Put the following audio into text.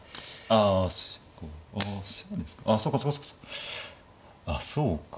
ああそうか。